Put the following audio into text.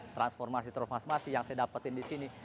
transformasi transformasi yang saya dapetin di sini